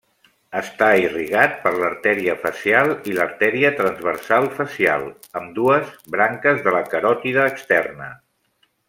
Està irrigat per l'artèria facial i l'artèria transversa facial, ambdues, branques de la caròtide externa.